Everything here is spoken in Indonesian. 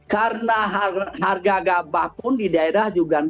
karena harga gabah pun